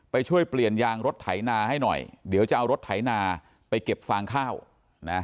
ช่วยเปลี่ยนยางรถไถนาให้หน่อยเดี๋ยวจะเอารถไถนาไปเก็บฟางข้าวนะ